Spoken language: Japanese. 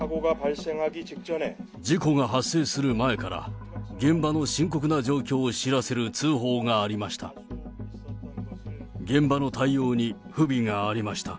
事故が発生する前から、現場の深刻な状況を知らせる通報がありました。